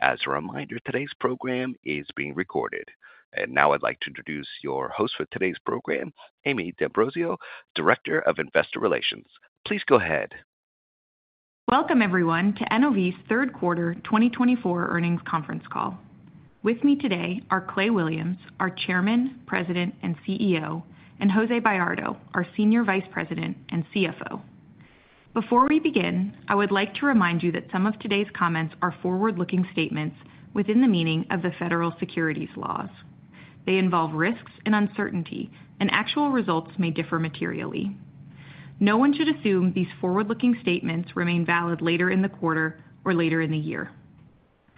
...As a reminder, today's program is being recorded. And now I'd like to introduce your host for today's program, Amie D'Ambrosio, Director of Investor Relations. Please go ahead. Welcome, everyone, to NOV's third quarter twenty twenty-four earnings conference call. With me today are Clay Williams, our Chairman, President, and CEO, and Jose Bayardo, our Senior Vice President and CFO. Before we begin, I would like to remind you that some of today's comments are forward-looking statements within the meaning of the federal securities laws. They involve risks and uncertainty, and actual results may differ materially. No one should assume these forward-looking statements remain valid later in the quarter or later in the year.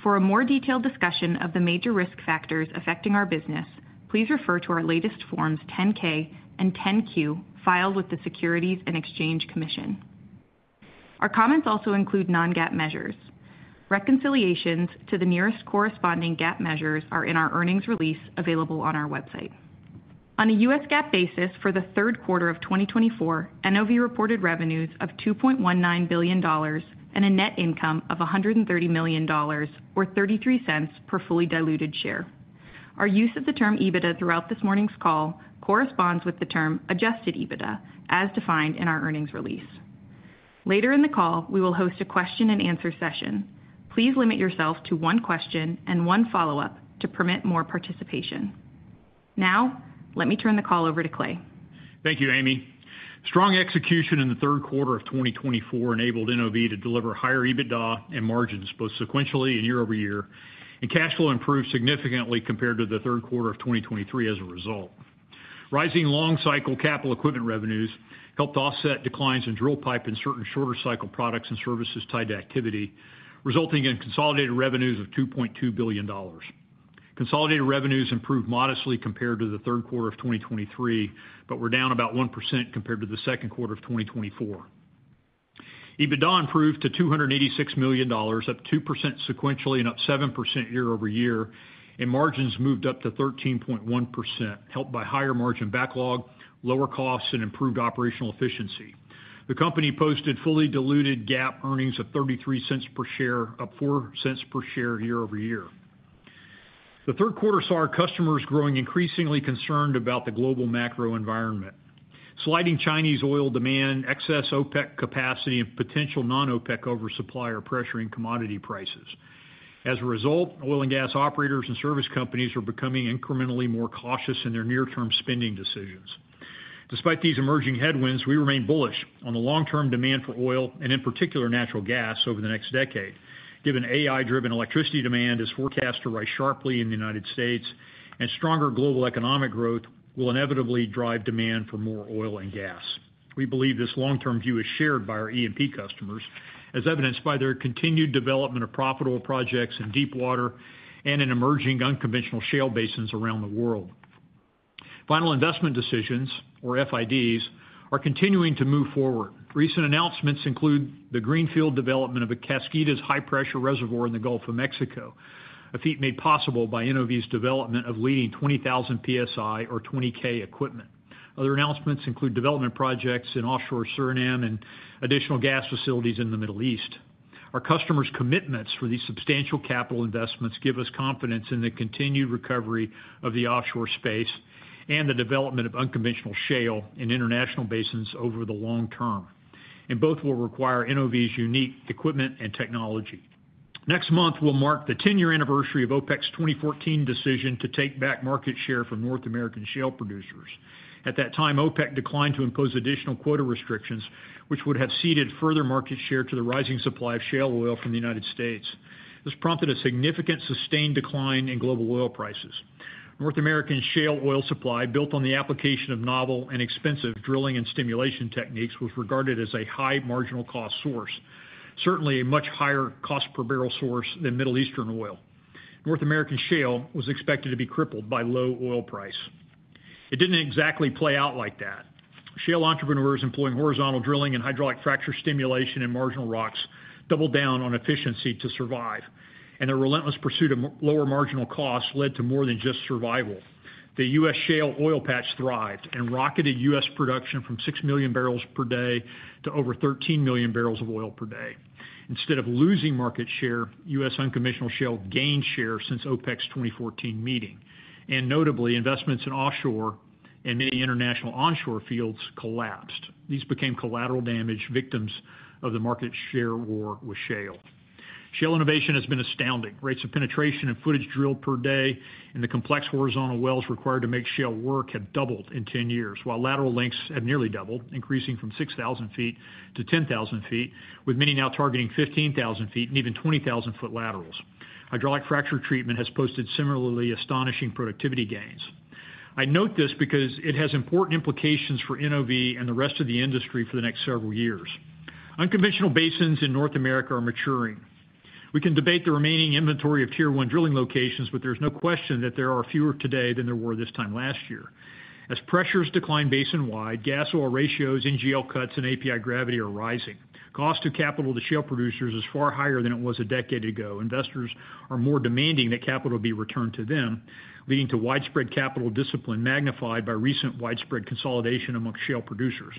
For a more detailed discussion of the major risk factors affecting our business, please refer to our latest Forms 10-K and 10-Q, filed with the Securities and Exchange Commission. Our comments also include non-GAAP measures. Reconciliations to the nearest corresponding GAAP measures are in our earnings release, available on our website. On a U.S. GAAP basis for the third quarter of 2024, NOV reported revenues of $2.19 billion and a net income of $130 million, or $0.33 per fully diluted share. Our use of the term EBITDA throughout this morning's call corresponds with the term adjusted EBITDA, as defined in our earnings release. Later in the call, we will host a question-and-answer session. Please limit yourself to one question and one follow-up to permit more participation. Now, let me turn the call over to Clay. Thank you, Amy. Strong execution in the third quarter of 2024 enabled NOV to deliver higher EBITDA and margins, both sequentially and year over year, and cash flow improved significantly compared to the third quarter of 2023 as a result. Rising long-cycle capital equipment revenues helped offset declines in drill pipe and certain shorter cycle products and services tied to activity, resulting in consolidated revenues of $2.2 billion. Consolidated revenues improved modestly compared to the third quarter of 2023, but were down about 1% compared to the second quarter of 2024. EBITDA improved to $286 million, up 2% sequentially and up 7% year over year, and margins moved up to 13.1%, helped by higher margin backlog, lower costs, and improved operational efficiency. The company posted fully diluted GAAP earnings of $0.33 per share, up $0.04 per share year over year. The third quarter saw our customers growing increasingly concerned about the global macro environment. Sliding Chinese oil demand, excess OPEC capacity, and potential non-OPEC oversupply are pressuring commodity prices. As a result, oil and gas operators and service companies are becoming incrementally more cautious in their near-term spending decisions. Despite these emerging headwinds, we remain bullish on the long-term demand for oil, and in particular, natural gas, over the next decade, given AI-driven electricity demand is forecast to rise sharply in the United States, and stronger global economic growth will inevitably drive demand for more oil and gas. We believe this long-term view is shared by our E&P customers, as evidenced by their continued development of profitable projects in deepwater and in emerging unconventional shale basins around the world. Final investment decisions, or FIDs, are continuing to move forward. Recent announcements include the greenfield development of a Kaskida high-pressure reservoir in the Gulf of Mexico, a feat made possible by NOV's development of leading 20,000 PSI or 20K equipment. Other announcements include development projects in offshore Suriname and additional gas facilities in the Middle East. Our customers' commitments for these substantial capital investments give us confidence in the continued recovery of the offshore space and the development of unconventional shale in international basins over the long term, and both will require NOV's unique equipment and technology. Next month will mark the ten-year anniversary of OPEC's 2014 decision to take back market share from North American shale producers. At that time, OPEC declined to impose additional quota restrictions, which would have ceded further market share to the rising supply of shale oil from the United States. This prompted a significant, sustained decline in global oil prices. North American shale oil supply, built on the application of novel and expensive drilling and stimulation techniques, was regarded as a high marginal cost source, certainly a much higher cost per barrel source than Middle Eastern oil. North American shale was expected to be crippled by low oil price. It didn't exactly play out like that. Shale entrepreneurs employing horizontal drilling and hydraulic fracture stimulation in marginal rocks doubled down on efficiency to survive, and their relentless pursuit of lower marginal costs led to more than just survival. The U.S. shale oil patch thrived and rocketed U.S. production from six million barrels per day to over 13 million barrels of oil per day. Instead of losing market share, U.S. unconventional shale gained share since OPEC's 2014 meeting, and notably, investments in offshore and many international onshore fields collapsed. These became collateral damage, victims of the market share war with shale. Shale innovation has been astounding. Rates of penetration and footage drilled per day in the complex horizontal wells required to make shale work have doubled in ten years, while lateral lengths have nearly doubled, increasing from six thousand feet to ten thousand feet, with many now targeting fifteen thousand feet and even twenty thousand-foot laterals. Hydraulic fracture treatment has posted similarly astonishing productivity gains. I note this because it has important implications for NOV and the rest of the industry for the next several years. Unconventional basins in North America are maturing. We can debate the remaining inventory of Tier One drilling locations, but there's no question that there are fewer today than there were this time last year. As pressures decline basin-wide, gas oil ratios, NGL cuts, and API gravity are rising. Cost of capital to shale producers is far higher than it was a decade ago. Investors are more demanding that capital be returned to them, leading to widespread capital discipline, magnified by recent widespread consolidation among shale producers.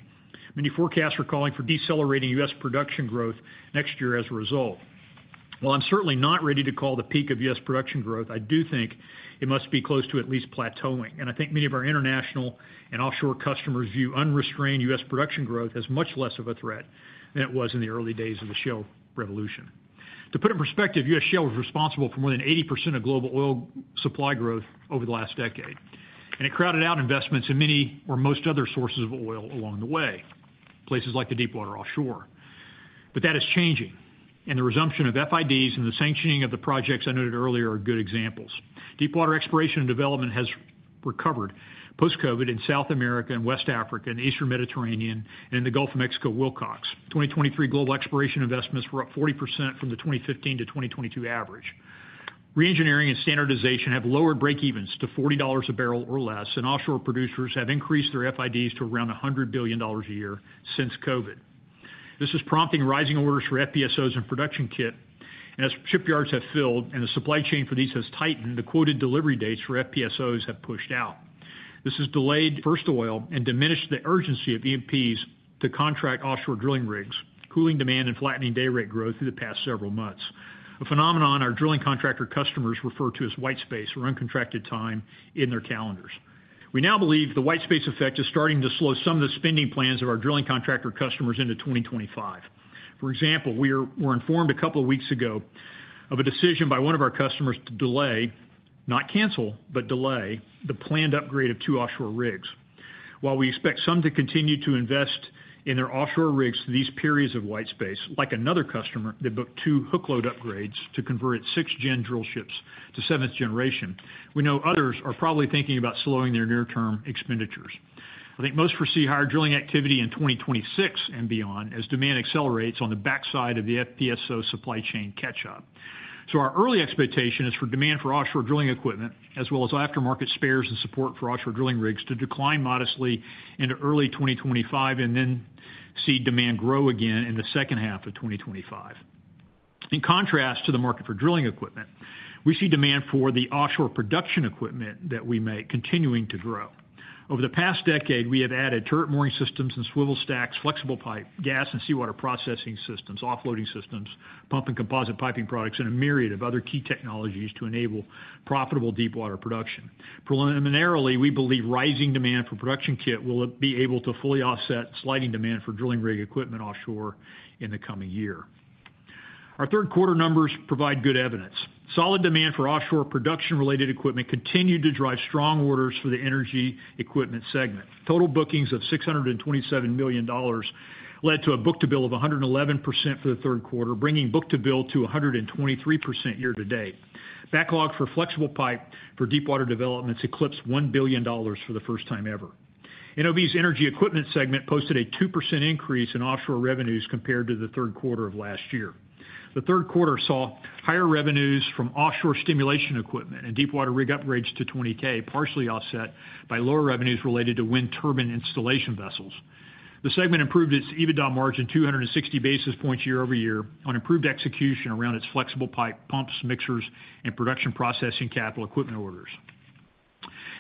Many forecasts are calling for decelerating U.S. production growth next year as a result.... While I'm certainly not ready to call the peak of U.S. production growth, I do think it must be close to at least plateauing, and I think many of our international and offshore customers view unrestrained U.S. production growth as much less of a threat than it was in the early days of the shale revolution. To put it in perspective, U.S. shale was responsible for more than 80% of global oil supply growth over the last decade, and it crowded out investments in many or most other sources of oil along the way, places like the deepwater offshore. But that is changing, and the resumption of FIDs and the sanctioning of the projects I noted earlier are good examples. Deepwater exploration and development has recovered post-COVID in South America, and West Africa, and Eastern Mediterranean, and in the Gulf of Mexico Wilcox. 2023 global exploration investments were up 40% from the 2015 to 2022 average. Reengineering and standardization have lowered breakevens to $40 a barrel or less, and offshore producers have increased their FIDs to around $100 billion a year since COVID. This is prompting rising orders for FPSOs and production kit, and as shipyards have filled and the supply chain for these has tightened, the quoted delivery dates for FPSOs have pushed out. This has delayed first oil and diminished the urgency of E&Ps to contract offshore drilling rigs, cooling demand and flattening dayrate growth through the past several months. A phenomenon our drilling contractor customers refer to as white space, or uncontracted time in their calendars. We now believe the white space effect is starting to slow some of the spending plans of our drilling contractor customers into 2025. For example, we were informed a couple of weeks ago of a decision by one of our customers to delay, not cancel, but delay the planned upgrade of two offshore rigs. While we expect some to continue to invest in their offshore rigs through these periods of white space, like another customer that booked two hook load upgrades to convert its sixth-gen drill ships to seventh generation, we know others are probably thinking about slowing their near-term expenditures. I think most foresee higher drilling activity in twenty twenty-six and beyond, as demand accelerates on the backside of the FPSO supply chain catch-up. So our early expectation is for demand for offshore drilling equipment, as well as aftermarket spares and support for offshore drilling rigs, to decline modestly into early twenty twenty-five and then see demand grow again in the second half of twenty twenty-five. In contrast to the market for drilling equipment, we see demand for the offshore production equipment that we make continuing to grow. Over the past decade, we have added turret mooring systems and swivel stacks, flexible pipe, gas and seawater processing systems, offloading systems, pump and composite piping products, and a myriad of other key technologies to enable profitable deepwater production. Preliminarily, we believe rising demand for production kit will be able to fully offset sliding demand for drilling rig equipment offshore in the coming year. Our third quarter numbers provide good evidence. Solid demand for offshore production-related equipment continued to drive strong orders for the Energy Equipment segment. Total bookings of $627 million led to a book-to-bill of 111% for the third quarter, bringing book-to-bill to 123% year to date. Backlog for flexible pipe for deepwater developments eclipsed $1 billion for the first time ever. NOV's Energy Equipment segment posted a 2% increase in offshore revenues compared to the third quarter of last year. The third quarter saw higher revenues from offshore stimulation equipment and deepwater rig upgrades to 20K, partially offset by lower revenues related to wind turbine installation vessels. The segment improved its EBITDA margin 260 basis points year over year on improved execution around its flexible pipe, pumps, mixers, and production processing capital equipment orders.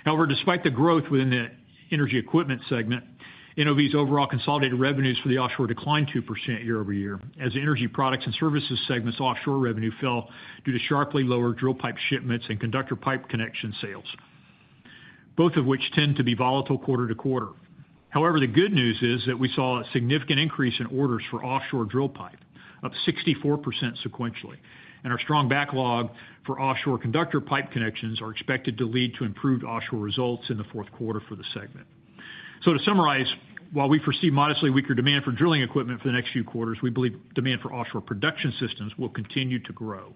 However, despite the growth within the Energy Equipment segment, NOV's overall consolidated revenues for the offshore declined 2% year over year, as Energy Products and Services segment's offshore revenue fell due to sharply lower drill pipe shipments and conductor pipe connection sales, both of which tend to be volatile quarter to quarter. However, the good news is that we saw a significant increase in orders for offshore drill pipe of 64% sequentially, and our strong backlog for offshore conductor pipe connections are expected to lead to improved offshore results in the fourth quarter for the segment. So to summarize, while we foresee modestly weaker demand for drilling equipment for the next few quarters, we believe demand for offshore production systems will continue to grow.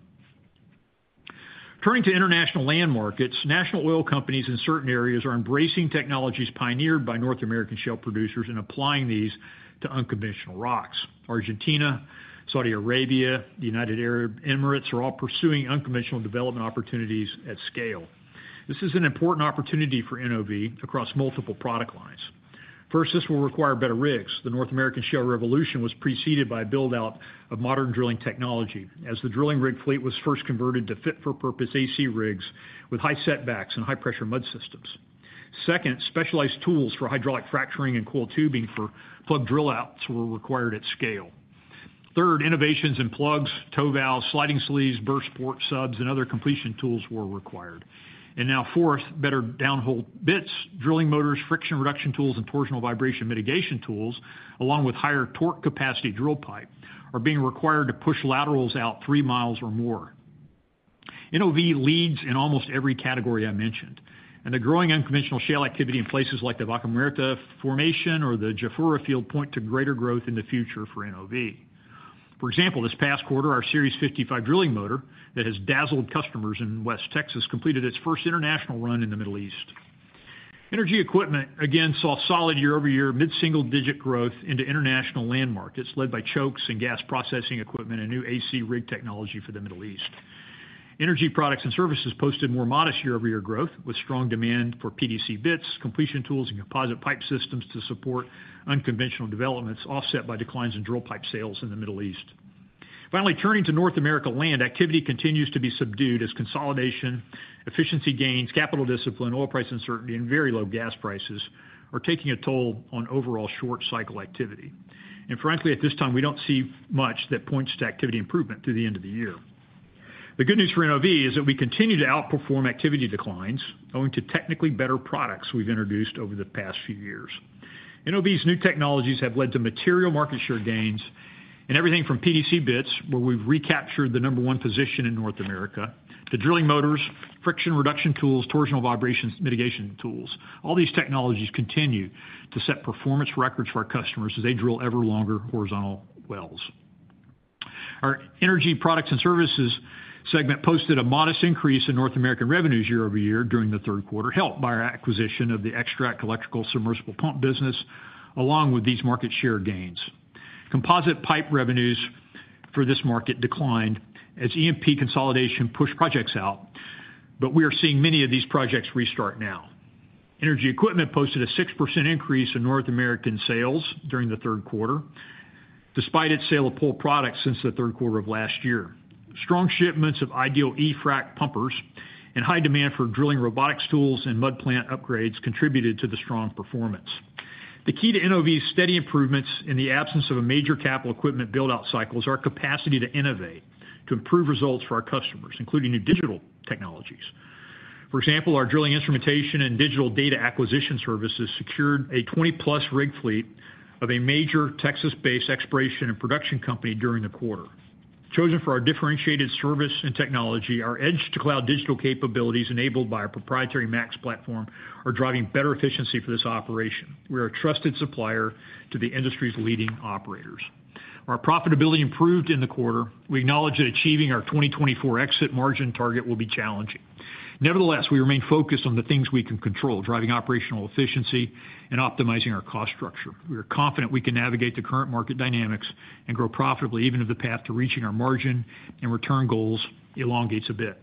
Turning to international land markets, national oil companies in certain areas are embracing technologies pioneered by North American shale producers and applying these to unconventional rocks. Argentina, Saudi Arabia, the United Arab Emirates, are all pursuing unconventional development opportunities at scale. This is an important opportunity for NOV across multiple product lines. First, this will require better rigs. The North American Shale Revolution was preceded by a build-out of modern drilling technology, as the drilling rig fleet was first converted to fit-for-purpose AC rigs with high setbacks and high-pressure mud systems. Second, specialized tools for hydraulic fracturing and coiled tubing for plug drill outs were required at scale. Third, innovations in plugs, toe valves, sliding sleeves, burst port subs, and other completion tools were required. And now fourth, better downhole bits, drilling motors, friction reduction tools, and torsional vibration mitigation tools, along with higher torque capacity drill pipe, are being required to push laterals out three miles or more. NOV leads in almost every category I mentioned, and the growing unconventional shale activity in places like the Vaca Muerta formation or the Jafurah field point to greater growth in the future for NOV. For example, this past quarter, our Series 55 drilling motor that has dazzled customers in West Texas completed its first international run in the Middle East. Energy equipment again saw solid year-over-year, mid-single-digit growth into international land markets, led by chokes and gas processing equipment and new AC rig technology for the Middle East. Energy products and services posted more modest year-over-year growth, with strong demand for PDC bits, completion tools, and composite pipe systems to support unconventional developments, offset by declines in drill pipe sales in the Middle East. Finally, turning to North America land, activity continues to be subdued as consolidation, efficiency gains, capital discipline, oil price uncertainty, and very low gas prices are taking a toll on overall short cycle activity. And frankly, at this time, we don't see much that points to activity improvement through the end of the year. The good news for NOV is that we continue to outperform activity declines, owing to technically better products we've introduced over the past few years. NOV's new technologies have led to material market share gains in everything from PDC bits, where we've recaptured the number one position in North America, to drilling motors, friction reduction tools, torsional vibrations mitigation tools. All these technologies continue to set performance records for our customers as they drill ever longer horizontal wells. Our Energy Products and Services segment posted a modest increase in North American revenues year over year during the third quarter, helped by our acquisition of the Xtract electrical submersible pump business, along with these market share gains. Composite pipe revenues for this market declined as E&P consolidation pushed projects out, but we are seeing many of these projects restart now. Energy equipment posted a 6% increase in North American sales during the third quarter, despite its sale of Pole Products since the third quarter of last year. Strong shipments of Ideal eFrac pumpers and high demand for drilling robotics tools and mud plant upgrades contributed to the strong performance. The key to NOV's steady improvements in the absence of a major capital equipment build-out cycle is our capacity to innovate, to improve results for our customers, including new digital technologies. For example, our drilling instrumentation and digital data acquisition services secured a 20-plus rig fleet of a major Texas-based exploration and production company during the quarter. Chosen for our differentiated service and technology, our edge-to-cloud digital capabilities, enabled by our proprietary Max platform, are driving better efficiency for this operation. We are a trusted supplier to the industry's leading operators. Our profitability improved in the quarter. We acknowledge that achieving our 2024 exit margin target will be challenging. Nevertheless, we remain focused on the things we can control, driving operational efficiency and optimizing our cost structure. We are confident we can navigate the current market dynamics and grow profitably, even if the path to reaching our margin and return goals elongates a bit.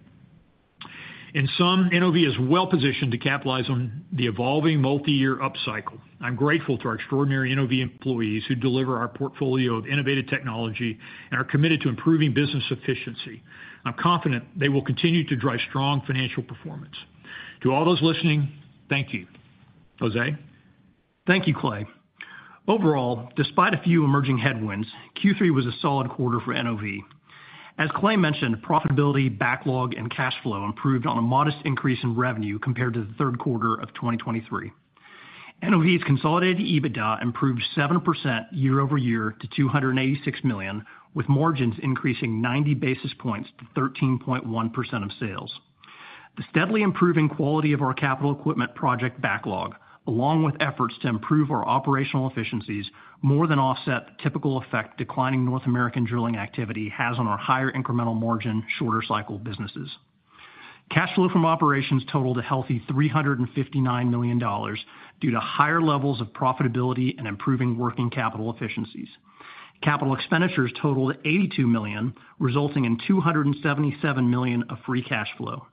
In sum, NOV is well positioned to capitalize on the evolving multi-year upcycle. I'm grateful to our extraordinary NOV employees who deliver our portfolio of innovative technology and are committed to improving business efficiency. I'm confident they will continue to drive strong financial performance. To all those listening, thank you. Jose? Thank you, Clay. Overall, despite a few emerging headwinds, Q3 was a solid quarter for NOV. As Clay mentioned, profitability, backlog, and cash flow improved on a modest increase in revenue compared to the third quarter of 2023. NOV's consolidated EBITDA improved 7% year over year to $286 million, with margins increasing ninety basis points to 13.1% of sales. The steadily improving quality of our capital equipment project backlog, along with efforts to improve our operational efficiencies, more than offset the typical effect declining North American drilling activity has on our higher incremental margin, shorter cycle businesses. Cash flow from operations totaled a healthy $359 million due to higher levels of profitability and improving working capital efficiencies. Capital expenditures totaled $82 million, resulting in $277 million of free cash flow.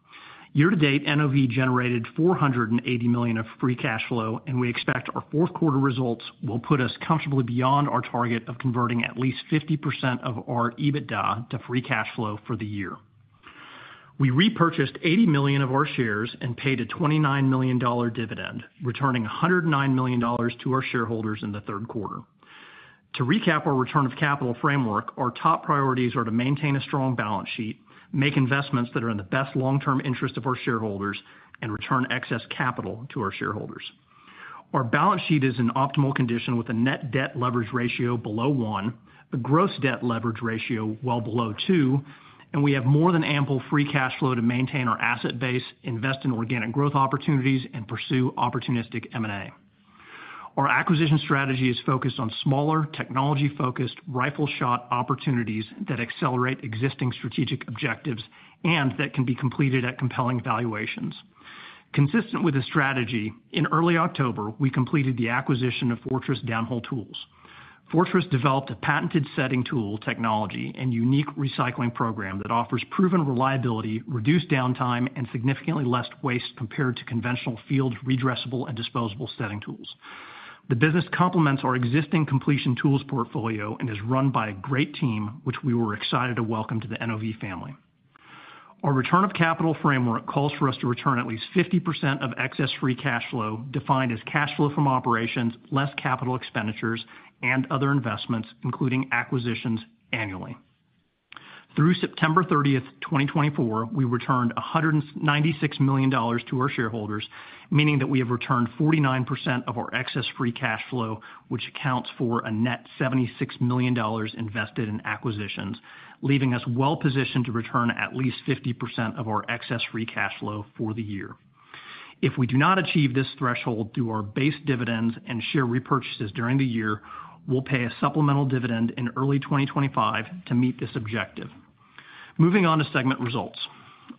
Year to date, NOV generated $480 million of free cash flow, and we expect our fourth quarter results will put us comfortably beyond our target of converting at least 50% of our EBITDA to free cash flow for the year. We repurchased 80 million of our shares and paid a $29 million dividend, returning $109 million to our shareholders in the third quarter. To recap our return of capital framework, our top priorities are to maintain a strong balance sheet, make investments that are in the best long-term interest of our shareholders, and return excess capital to our shareholders. Our balance sheet is in optimal condition with a net debt leverage ratio below one, a gross debt leverage ratio well below two, and we have more than ample free cash flow to maintain our asset base, invest in organic growth opportunities, and pursue opportunistic M&A. Our acquisition strategy is focused on smaller, technology-focused, rifle-shot opportunities that accelerate existing strategic objectives and that can be completed at compelling valuations. Consistent with the strategy, in early October, we completed the acquisition of Fortress Downhole Tools. Fortress developed a patented setting tool technology and unique recycling program that offers proven reliability, reduced downtime, and significantly less waste compared to conventional field redressable and disposable setting tools. The business complements our existing completion tools portfolio and is run by a great team, which we were excited to welcome to the NOV family. Our return of capital framework calls for us to return at least 50% of excess free cash flow, defined as cash flow from operations, less capital expenditures and other investments, including acquisitions annually. Through September thirtieth, 2024, we returned $196 million to our shareholders, meaning that we have returned 49% of our excess free cash flow, which accounts for a net $76 million invested in acquisitions, leaving us well positioned to return at least 50% of our excess free cash flow for the year. If we do not achieve this threshold through our base dividends and share repurchases during the year, we'll pay a supplemental dividend in early 2025 to meet this objective. Moving on to segment results.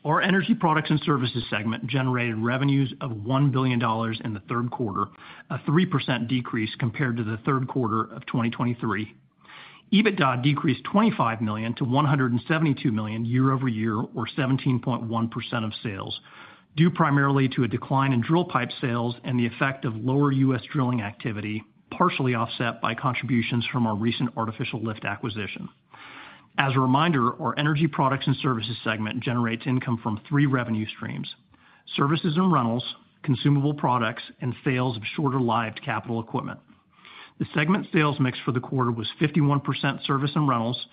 Our Energy Products and Services segment generated revenues of $1 billion in the third quarter, a 3% decrease compared to the third quarter of 2023. EBITDA decreased $25 million to $172 million year over year, or 17.1% of sales, due primarily to a decline in drill pipe sales and the effect of lower U.S. drilling activity, partially offset by contributions from our recent artificial lift acquisition. As a reminder, our Energy Products and Services segment generates income from three revenue streams: services and rentals, consumable products, and sales of shorter-lived capital equipment. The segment sales mix for the quarter was 51% service and rentals,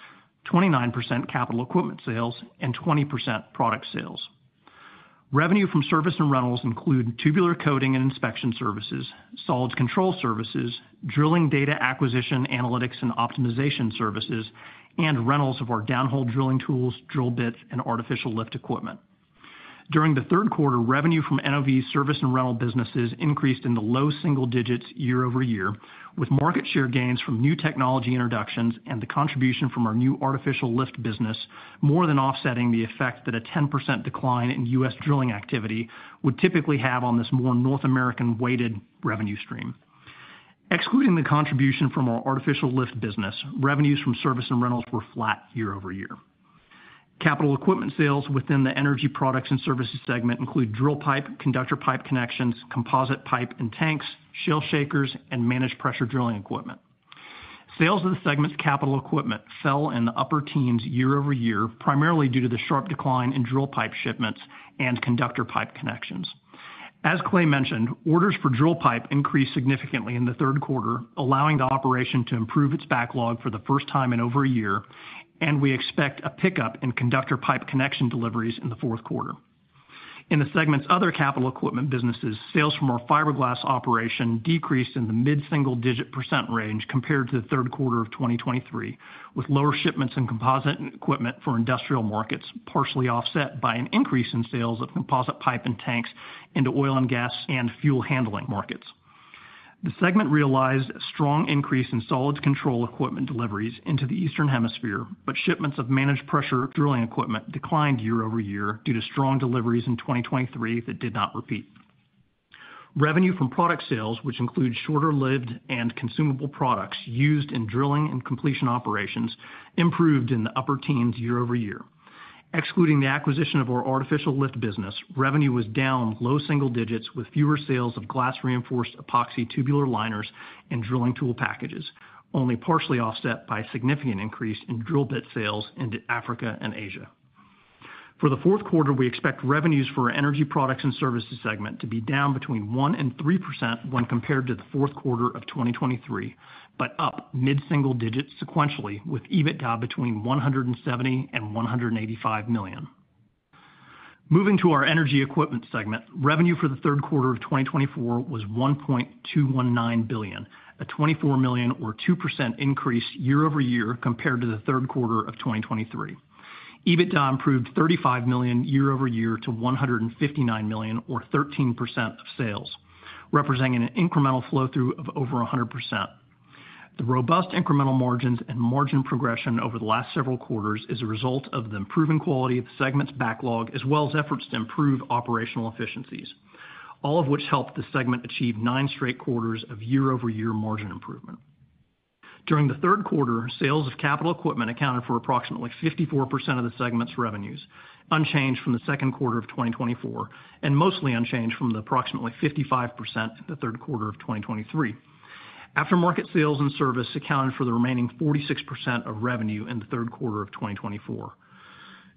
29% capital equipment sales, and 20% product sales. Revenue from service and rentals include tubular coating and inspection services, solids control services, drilling data acquisition, analytics, and optimization services, and rentals of our downhole drilling tools, drill bits, and artificial lift equipment. During the third quarter, revenue from NOV service and rental businesses increased in the low single digits year over year, with market share gains from new technology introductions and the contribution from our new artificial lift business more than offsetting the effect that a 10% decline in U.S. drilling activity would typically have on this more North American-weighted revenue stream. Excluding the contribution from our artificial lift business, revenues from service and rentals were flat year over year. Capital equipment sales within the Energy Products and Services segment include drill pipe, conductor pipe connections, composite pipe and tanks, shale shakers, and managed pressure drilling equipment. Sales of the segment's capital equipment fell in the upper teens year over year, primarily due to the sharp decline in drill pipe shipments and conductor pipe connections. As Clay mentioned, orders for drill pipe increased significantly in the third quarter, allowing the operation to improve its backlog for the first time in over a year, and we expect a pickup in conductor pipe connection deliveries in the fourth quarter. In the segment's other capital equipment businesses, sales from our fiberglass operation decreased in the mid-single-digit % range compared to the third quarter of 2023, with lower shipments and composite equipment for industrial markets, partially offset by an increase in sales of composite pipe and tanks into oil and gas and fuel handling markets. The segment realized a strong increase in solids control equipment deliveries into the Eastern Hemisphere, but shipments of managed pressure drilling equipment declined year over year due to strong deliveries in 2023 that did not repeat. Revenue from product sales, which include shorter-lived and consumable products used in drilling and completion operations, improved in the upper teens year over year. Excluding the acquisition of our artificial lift business, revenue was down low single digits, with fewer sales of glass-reinforced epoxy tubular liners and drilling tool packages, only partially offset by a significant increase in drill bit sales into Africa and Asia. For the fourth quarter, we expect revenues for our Energy Products and Services segment to be down between 1% and 3% when compared to the fourth quarter of 2023, but up mid-single digits sequentially, with EBITDA between $170 million and $185 million. Moving to our Energy Equipment segment, revenue for the third quarter of 2024 was $1.219 billion, a $24 million or 2% increase year over year compared to the third quarter of 2023. EBITDA improved $35 million year over year to $159 million or 13% of sales, representing an incremental flow-through of over 100%. The robust incremental margins and margin progression over the last several quarters is a result of the improving quality of the segment's backlog, as well as efforts to improve operational efficiencies, all of which helped the segment achieve nine straight quarters of year-over-year margin improvement. During the third quarter, sales of capital equipment accounted for approximately 54% of the segment's revenues, unchanged from the second quarter of 2024, and mostly unchanged from the approximately 55% in the third quarter of 2023. Aftermarket sales and service accounted for the remaining 46% of revenue in the third quarter of 2024.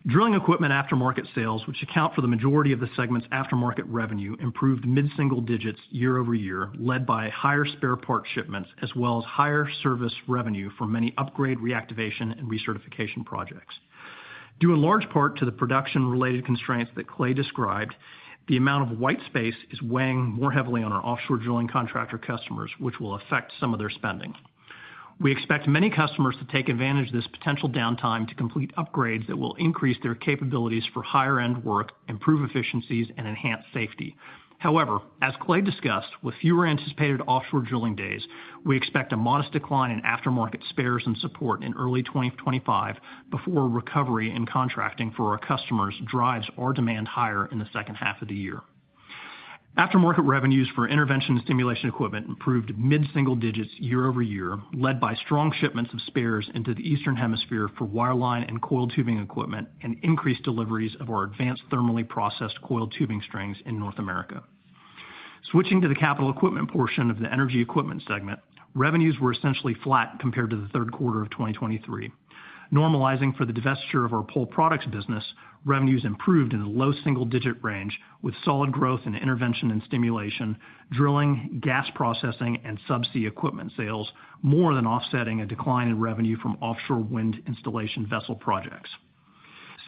Drilling equipment aftermarket sales, which account for the majority of the segment's aftermarket revenue, improved mid-single digits year over year, led by higher spare parts shipments, as well as higher service revenue for many upgrade, reactivation, and recertification projects. Due in large part to the production-related constraints that Clay described, the amount of white space is weighing more heavily on our offshore drilling contractor customers, which will affect some of their spending. We expect many customers to take advantage of this potential downtime to complete upgrades that will increase their capabilities for higher-end work, improve efficiencies, and enhance safety. However, as Clay discussed, with fewer anticipated offshore drilling days, we expect a modest decline in aftermarket spares and support in early 2025 before recovery and contracting for our customers drives our demand higher in the second half of the year. Aftermarket revenues for intervention and stimulation equipment improved mid-single digits year over year, led by strong shipments of spares into the Eastern Hemisphere for wireline and coiled tubing equipment and increased deliveries of our advanced thermally processed coiled tubing strings in North America. Switching to the capital equipment portion of the Energy Equipment segment, revenues were essentially flat compared to the third quarter of 2023. Normalizing for the divestiture of our Pole Products business, revenues improved in the low single-digit range, with solid growth in intervention and stimulation, drilling, gas processing, and subsea equipment sales, more than offsetting a decline in revenue from offshore wind installation vessel projects.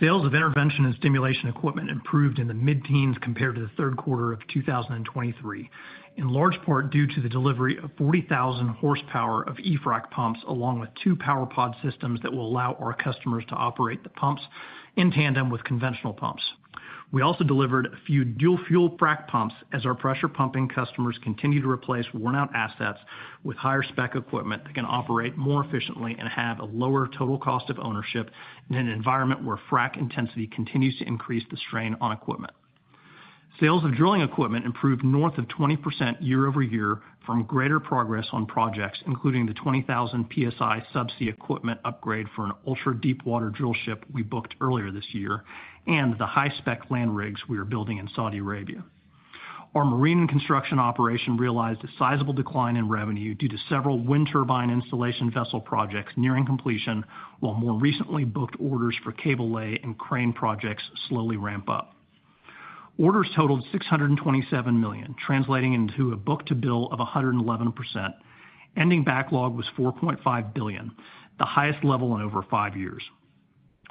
Sales of intervention and stimulation equipment improved in the mid-teens compared to the third quarter of 2023, in large part due to the delivery of 40,000 horsepower of e-frac pumps, along with two PowerPod systems that will allow our customers to operate the pumps in tandem with conventional pumps. We also delivered a few dual-fuel frac pumps as our pressure pumping customers continue to replace worn-out assets with higher-spec equipment that can operate more efficiently and have a lower total cost of ownership in an environment where frac intensity continues to increase the strain on equipment. Sales of drilling equipment improved north of 20% year over year from greater progress on projects, including the 20,000 PSI subsea equipment upgrade for an ultra-deepwater drill ship we booked earlier this year, and the high-spec land rigs we are building in Saudi Arabia. Our marine and construction operation realized a sizable decline in revenue due to several wind turbine installation vessel projects nearing completion, while more recently booked orders for cable lay and crane projects slowly ramp up. Orders totaled $627 million, translating into a book-to-bill of 111%. Ending backlog was $4.5 billion, the highest level in over five years.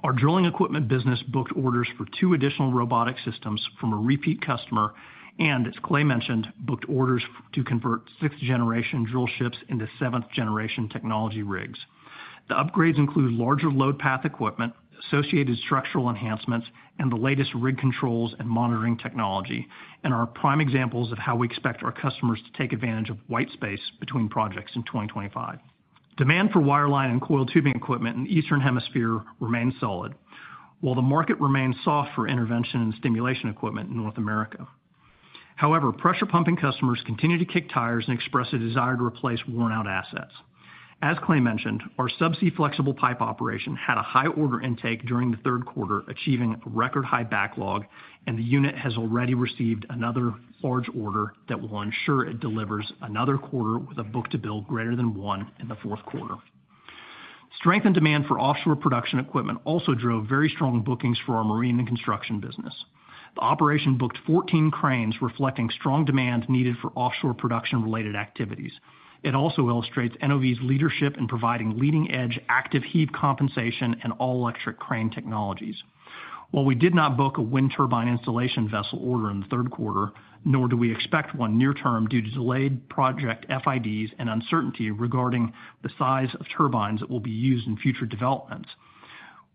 Our drilling equipment business booked orders for two additional robotic systems from a repeat customer, and as Clay mentioned, booked orders to convert sixth-generation drill ships into seventh-generation technology rigs. The upgrades include larger load path equipment, associated structural enhancements, and the latest rig controls and monitoring technology, and are prime examples of how we expect our customers to take advantage of white space between projects in 2025. Demand for wireline and coiled tubing equipment in the Eastern Hemisphere remains solid, while the market remains soft for intervention and stimulation equipment in North America. However, pressure pumping customers continue to kick tires and express a desire to replace worn-out assets. As Clay mentioned, our subsea flexible pipe operation had a high order intake during the third quarter, achieving a record-high backlog, and the unit has already received another large order that will ensure it delivers another quarter with a book-to-bill greater than one in the fourth quarter. Strength in demand for offshore production equipment also drove very strong bookings for our marine and construction business. The operation booked fourteen cranes, reflecting strong demand needed for offshore production-related activities. It also illustrates NOV's leadership in providing leading-edge, active heave compensation and all-electric crane technologies. While we did not book a wind turbine installation vessel order in the third quarter, nor do we expect one near term due to delayed project FIDs and uncertainty regarding the size of turbines that will be used in future developments,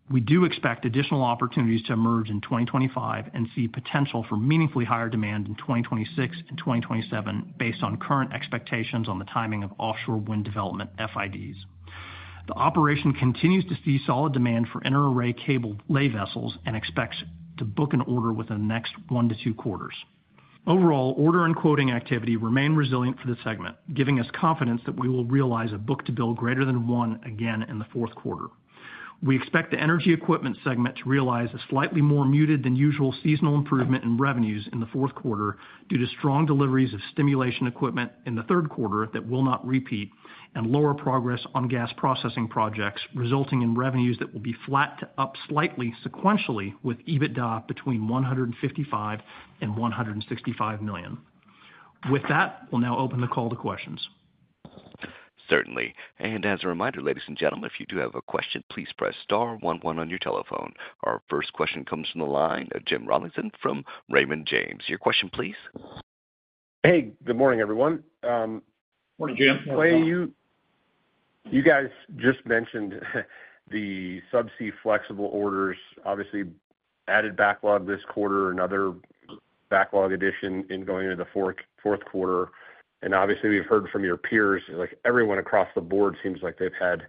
we do expect additional opportunities to emerge in 2025 and see potential for meaningfully higher demand in 2026 and 2027, based on current expectations on the timing of offshore wind development FIDs. The operation continues to see solid demand for inter-array cable lay vessels and expects to book an order within the next one to two quarters. Overall, order and quoting activity remain resilient for the segment, giving us confidence that we will realize a book-to-bill greater than one again in the fourth quarter. We expect the Energy Equipment segment to realize a slightly more muted than usual seasonal improvement in revenues in the fourth quarter due to strong deliveries of stimulation equipment in the third quarter that will not repeat, and lower progress on gas processing projects, resulting in revenues that will be flat to up slightly sequentially, with EBITDA between $155 million and $165 million. With that, we'll now open the call to questions. Certainly. And as a reminder, ladies and gentlemen, if you do have a question, please press star one one on your telephone. Our first question comes from the line of Jim Rollyson from Raymond James. Your question, please. Hey, good morning, everyone. Morning, Jim. Clay, you guys just mentioned the subsea flexible orders obviously added backlog this quarter, another backlog addition in going into the fourth quarter. And obviously, we've heard from your peers, like everyone across the board, seems like they've had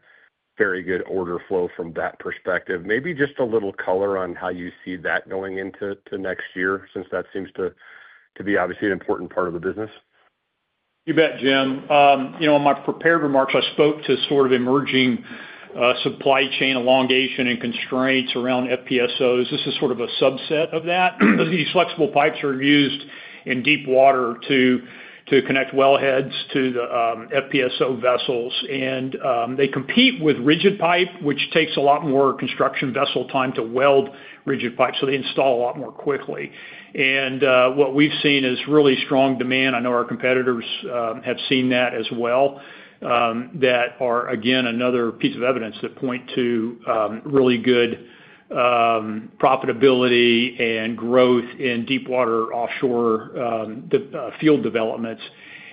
very good order flow from that perspective. Maybe just a little color on how you see that going into next year, since that seems to be obviously an important part of the business. You bet, Jim. You know, in my prepared remarks, I spoke to sort of emerging supply chain elongation and constraints around FPSOs. This is sort of a subset of that. These flexible pipes are used in deepwater to connect wellheads to the FPSO vessels. And they compete with rigid pipe, which takes a lot more construction vessel time to weld rigid pipe, so they install a lot more quickly. And what we've seen is really strong demand. I know our competitors have seen that as well, that are again another piece of evidence that point to really good profitability and growth in deepwater offshore field developments.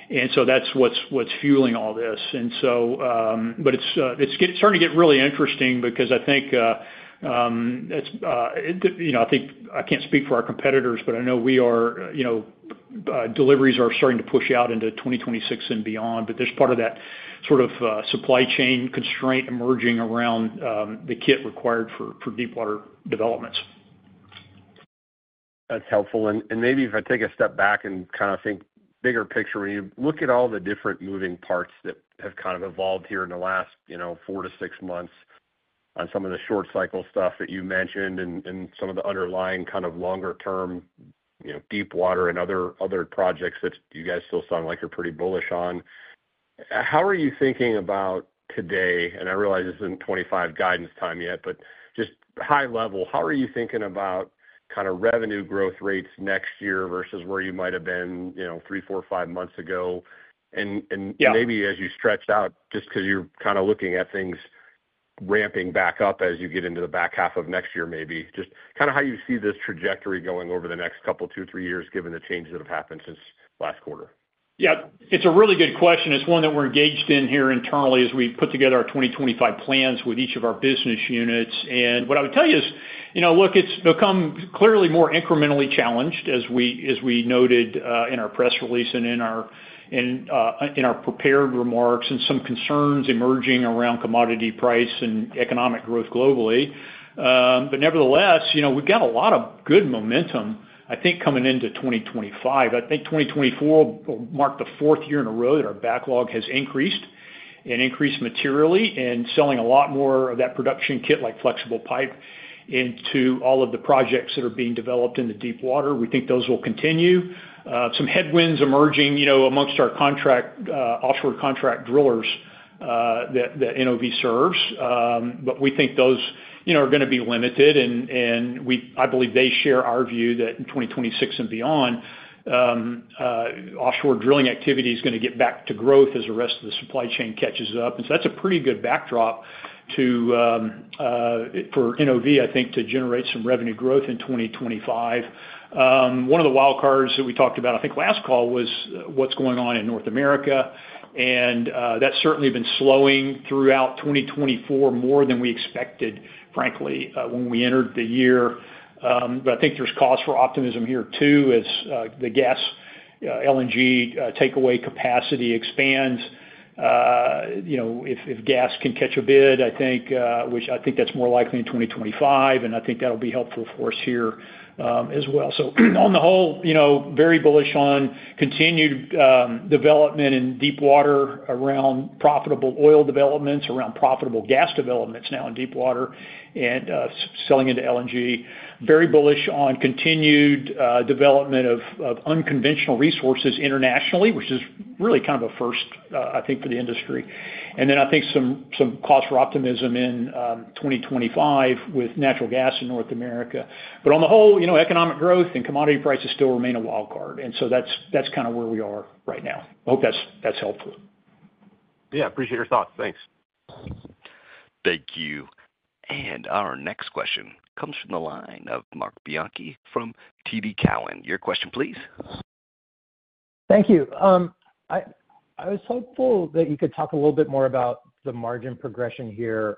And so that's what's fueling all this. And so, but it's starting to get really interesting because I think, you know, I think I can't speak for our competitors, but I know we are, you know, deliveries are starting to push out into 2026 and beyond. But there's part of that sort of supply chain constraint emerging around the kit required for deepwater developments. That's helpful. And maybe if I take a step back and kind of think bigger picture, when you look at all the different moving parts that have kind of evolved here in the last, you know, four to six months on some of the short cycle stuff that you mentioned and some of the underlying kind of longer-term, you know, deepwater and other projects that you guys still sound like you're pretty bullish on, how are you thinking about today? And I realize this isn't twenty-five guidance time yet, but just high level, how are you thinking about kind of revenue growth rates next year versus where you might have been, you know, three, four, five months ago? And Yeah. Maybe as you stretch out, just because you're kind of looking at things ramping back up as you get into the back half of next year, maybe, just kind of how you see this trajectory going over the next couple, two, three years, given the changes that have happened since last quarter? Yeah, it's a really good question. It's one that we're engaged in here internally as we put together our twenty twenty-five plans with each of our business units. And what I would tell you is, you know, look, it's become clearly more incrementally challenged, as we noted, in our press release and in our prepared remarks, and some concerns emerging around commodity price and economic growth globally. But nevertheless, you know, we've got a lot of good momentum, I think, coming into twenty twenty-five. I think twenty twenty-four will mark the fourth year in a row that our backlog has increased and increased materially, and selling a lot more of that production kit, like flexible pipe, into all of the projects that are being developed in the deepwater. We think those will continue. Some headwinds emerging, you know, among our contract offshore contract drillers.... that NOV serves. But we think those, you know, are gonna be limited, and we—I believe they share our view that in 2026 and beyond, offshore drilling activity is gonna get back to growth as the rest of the supply chain catches up. And so that's a pretty good backdrop to for NOV, I think, to generate some revenue growth in 2025. One of the wild cards that we talked about, I think, last call, was what's going on in North America, and that's certainly been slowing throughout 2024 more than we expected, frankly, when we entered the year. But I think there's cause for optimism here, too, as the gas LNG takeaway capacity expands. You know, if gas can catch a bid, I think, which I think that's more likely in twenty twenty-five, and I think that'll be helpful for us here, as well, so on the whole, you know, very bullish on continued development in deep water around profitable oil developments, around profitable gas developments now in deep water, and selling into LNG. Very bullish on continued development of unconventional resources internationally, which is really kind of a first, I think, for the industry, and then I think some cause for optimism in twenty twenty-five with natural gas in North America, but on the whole, you know, economic growth and commodity prices still remain a wild card, and so that's kind of where we are right now. I hope that's helpful. Yeah, appreciate your thoughts. Thanks. Thank you. And our next question comes from the line of Mark Bianchi from TD Cowen. Your question, please. Thank you. I was hopeful that you could talk a little bit more about the margin progression here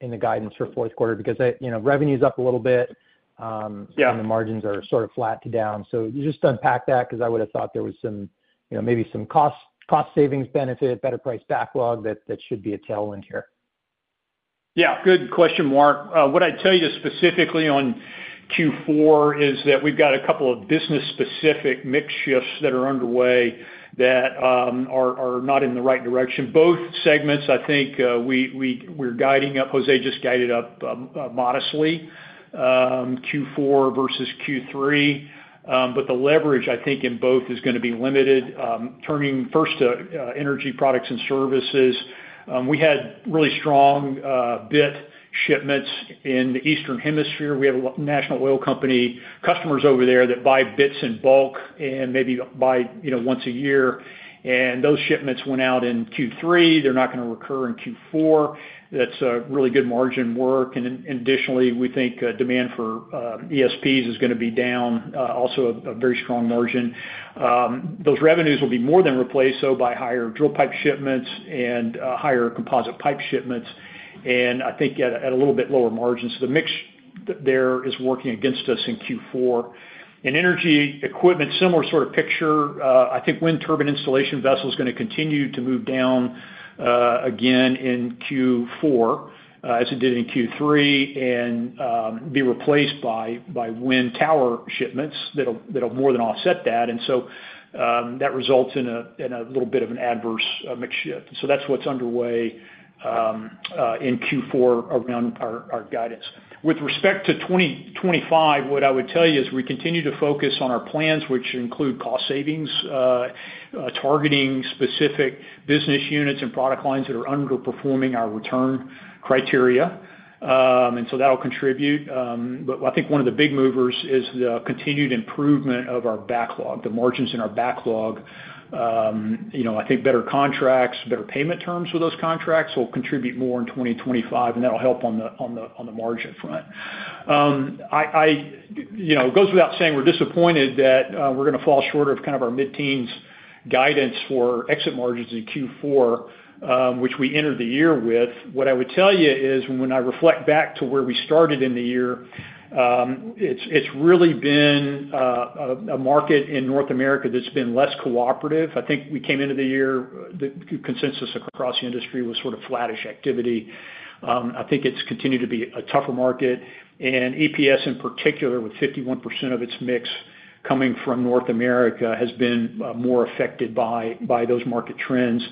in the guidance for fourth quarter, because I you know, revenue's up a little bit. Yeah. and the margins are sort of flat to down. So can you just unpack that? Because I would've thought there was some, you know, maybe some cost savings benefit, better price backlog, that should be a tailwind here. Yeah, good question, Mark. What I'd tell you specifically on Q4 is that we've got a couple of business-specific mix shifts that are underway that are not in the right direction. Both segments, I think, we're guiding up. Jose just guided up, modestly, Q4 versus Q3. But the leverage, I think, in both is gonna be limited. Turning first to Energy Products and Services, we had really strong bit shipments in the Eastern Hemisphere. We have national oil company customers over there that buy bits in bulk and maybe buy, you know, once a year, and those shipments went out in Q3. They're not gonna recur in Q4. That's really good margin work. And then additionally, we think, demand for ESPs is gonna be down, also a very strong margin. Those revenues will be more than replaced, though, by higher drill pipe shipments and higher composite pipe shipments, and I think at a little bit lower margins. So the mix there is working against us in Q4. In Energy Equipment, similar sort of picture. I think wind turbine installation vessel is gonna continue to move down again in Q4, as it did in Q3, and be replaced by wind tower shipments that'll more than offset that, and so that results in a little bit of an adverse mix shift, so that's what's underway in Q4 around our guidance. With respect to 2025, what I would tell you is we continue to focus on our plans, which include cost savings, targeting specific business units and product lines that are underperforming our return criteria, and so that'll contribute, but I think one of the big movers is the continued improvement of our backlog, the margins in our backlog. You know, I think better contracts, better payment terms with those contracts will contribute more in 2025, and that'll help on the margin front. You know, it goes without saying, we're disappointed that we're gonna fall short of kind of our mid-teens guidance for exit margins in Q4, which we entered the year with. What I would tell you is, when I reflect back to where we started in the year, it's really been a market in North America that's been less cooperative. I think we came into the year, the consensus across the industry was sort of flattish activity. I think it's continued to be a tougher market, and ESP, in particular, with 51% of its mix coming from North America, has been more affected by those market trends.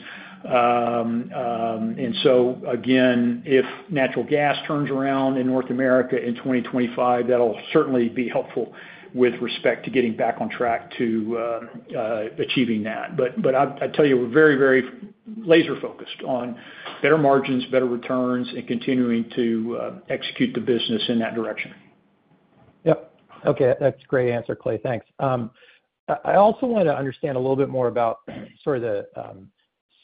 And so again, if natural gas turns around in North America in 2025, that'll certainly be helpful with respect to getting back on track to achieving that. But I tell you, we're very laser focused on better margins, better returns, and continuing to execute the business in that direction. Yep. Okay, that's a great answer, Clay. Thanks. I also wanted to understand a little bit more about sort of the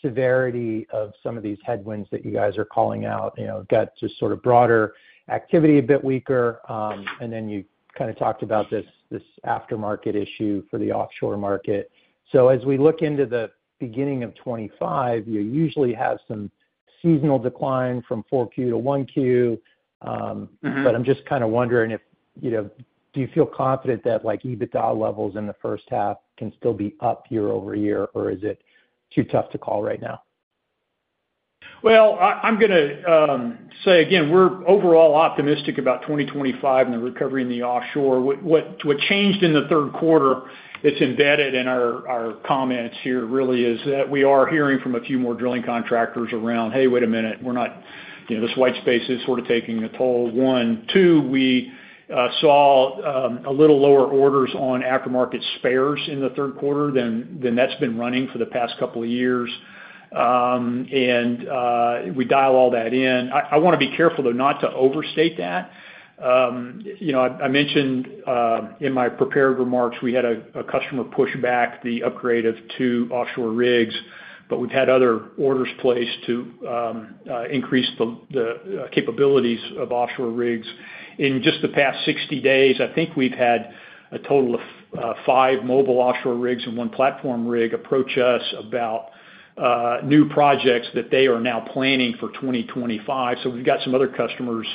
severity of some of these headwinds that you guys are calling out. You know, got just sort of broader activity a bit weaker, and then you kind of talked about this aftermarket issue for the offshore market. So as we look into the beginning of 2025, you usually have some seasonal decline from 4Q to 1Q. Mm-hmm. But I'm just kind of wondering if, you know, do you feel confident that, like, EBITDA levels in the first half can still be up year over year, or is it too tough to call right now? I'm gonna say again, we're overall optimistic about 2025 and the recovery in the offshore. What changed in the third quarter, it's embedded in our comments here, really, is that we are hearing from a few more drilling contractors around, "Hey, wait a minute. We're not. You know, this white space is sort of taking a toll," one. Two, we saw a little lower orders on aftermarket spares in the third quarter than that's been running for the past couple of years. And we dial all that in. I wanna be careful, though, not to overstate that. You know, I mentioned in my prepared remarks, we had a customer push back the upgrade of two offshore rigs, but we've had other orders placed to increase the capabilities of offshore rigs. In just the past 60 days, I think we've had a total of five mobile offshore rigs and one platform rig approach us about new projects that they are now planning for 2025, so we've got some other customers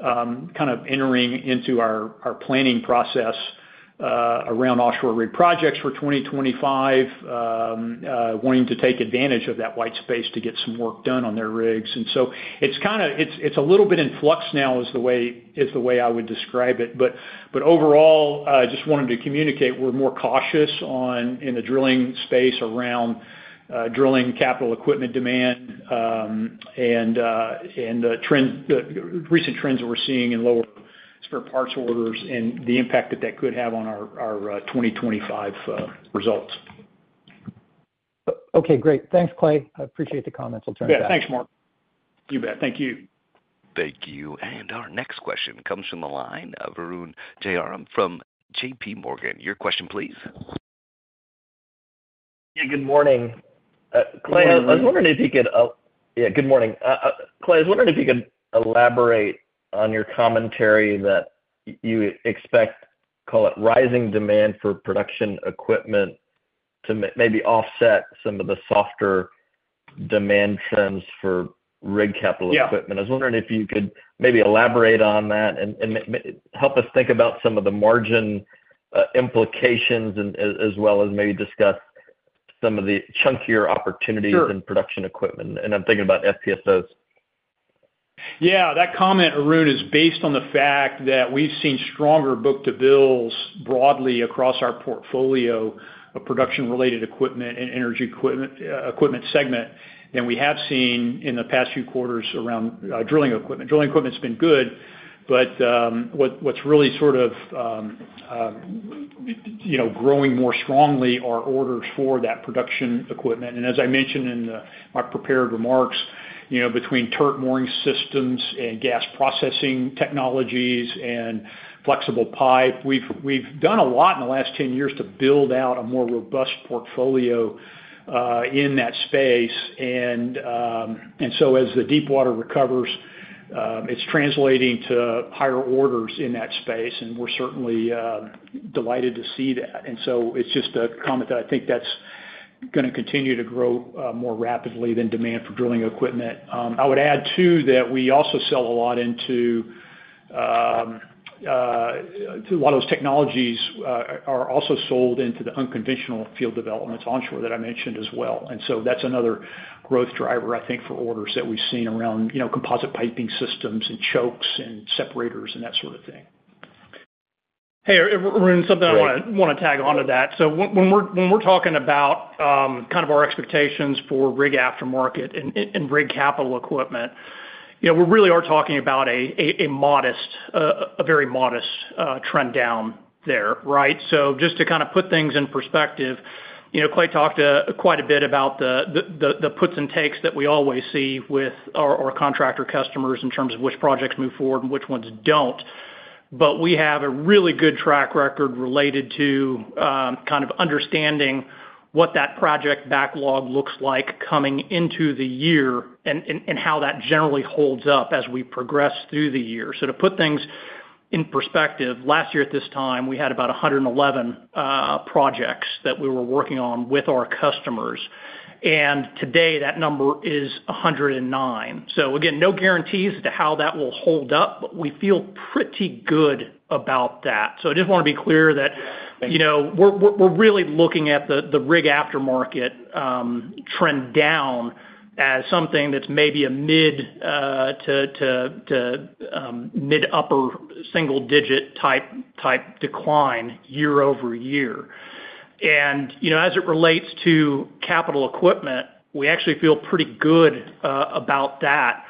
kind of entering into our planning process around offshore rig projects for 2025, wanting to take advantage of that white space to get some work done on their rigs. And so it's kinda it's a little bit in flux now, is the way I would describe it, but overall, just wanted to communicate, we're more cautious on in the drilling space around drilling capital equipment demand, and recent trends that we're seeing in lower spare parts orders and the impact that that could have on our 2025 results. Okay, great. Thanks, Clay. I appreciate the comments. I'll turn it back. Yeah. Thanks, Mark. You bet. Thank you. Thank you. And our next question comes from the line of Arun Jayaram from JP Morgan. Your question, please. Yeah, good morning. Clay- Hey, Arun. I was wondering if you could. Yeah, good morning. Clay, I was wondering if you could elaborate on your commentary that you expect, call it, rising demand for production equipment to maybe offset some of the softer demand trends for rig capital equipment. Yeah. I was wondering if you could maybe elaborate on that and help us think about some of the margin implications, and as well as maybe discuss some of the chunkier opportunities- Sure... in production equipment, and I'm thinking about FPSOs. Yeah, that comment, Arun, is based on the fact that we've seen stronger book-to-bills broadly across our portfolio of production-related equipment and Energy Equipment segment than we have seen in the past few quarters around drilling equipment. Drilling equipment's been good, but what's really sort of you know growing more strongly are orders for that production equipment. And as I mentioned in my prepared remarks, you know, between turret mooring systems and gas processing technologies and flexible pipe, we've done a lot in the last ten years to build out a more robust portfolio in that space. And so as the deepwater recovers, it's translating to higher orders in that space, and we're certainly delighted to see that. And so it's just a comment that I think that's gonna continue to grow more rapidly than demand for drilling equipment. I would add, too, that we also sell a lot into so a lot of those technologies are also sold into the unconventional field developments onshore that I mentioned as well. And so that's another growth driver, I think, for orders that we've seen around, you know, composite piping systems and chokes and separators, and that sort of thing. Hey, Arun, something I wanna- Sure. Want to tag onto that. So when we're talking about our expectations for rig aftermarket and rig capital equipment, you know, we really are talking about a modest, a very modest, trend down there, right? So just to kind of put things in perspective, you know, Clay talked quite a bit about the puts and takes that we always see with our contractor customers in terms of which projects move forward and which ones don't. But we have a really good track record related to kind of understanding what that project backlog looks like coming into the year and how that generally holds up as we progress through the year. So to put things in perspective, last year, at this time, we had about 111 projects that we were working on with our customers, and today, that number is 109. So again, no guarantees to how that will hold up, but we feel pretty good about that. So I just wanna be clear that, you know, we're really looking at the rig aftermarket trend down as something that's maybe a mid- to mid-upper single-digit type decline year over year. You know, as it relates to capital equipment, we actually feel pretty good about that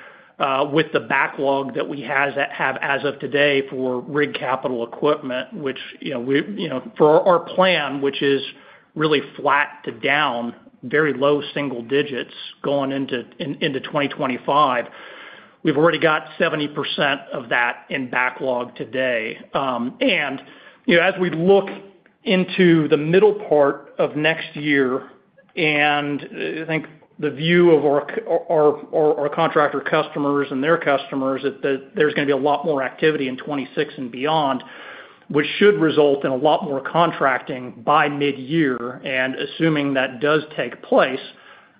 with the backlog that we have as of today for rig capital equipment, which, you know, for our plan, which is really flat to down, very low single digits, going into 2025, we've already got 70% of that in backlog today. You know, as we look into the middle part of next year, I think the view of our contractor customers and their customers that there's gonna be a lot more activity in 2026 and beyond, which should result in a lot more contracting by midyear. Assuming that does take place,